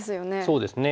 そうですね。